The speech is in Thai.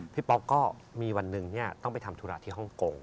ป๊อกก็มีวันหนึ่งต้องไปทำธุระที่ฮ่องกง